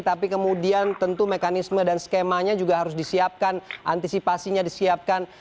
tapi kemudian tentu mekanisme dan skemanya juga harus disiapkan antisipasinya disiapkan